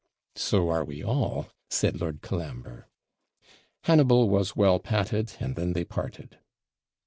'So are we all,' said Lord Colambre. Hannibal was well patted, and then they parted.